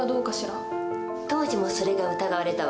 当時もそれが疑われたわ。